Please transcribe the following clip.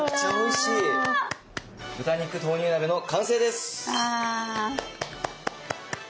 「豚肉豆乳鍋」の完成です。